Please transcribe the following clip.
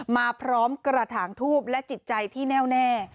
มาพร้อมกระถางทูบและจิตใจที่แน่วแน่